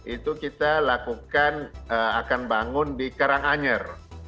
itu kita lakukan akan bangun di karanganyar